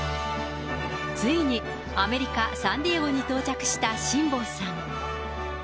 ついにアメリカ・サンディエゴに到着した辛坊さん。